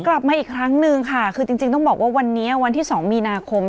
กลับมาอีกครั้งนึงค่ะคือจริงต้องบอกว่าวันนี้วันที่๒มีนาคม